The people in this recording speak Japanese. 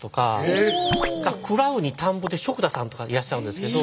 「喰らう」に「田んぼ」で喰田さんとかいらっしゃるんですけど。